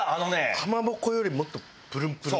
かまぼこよりもっとプルンプルン。